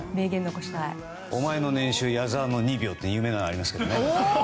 お前の年収矢沢の２秒っていう夢がありますけどね。